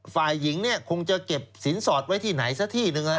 ฝ่ายหญิงเนี่ยคงจะเก็บสินสอดไว้ที่ไหนสักที่หนึ่ง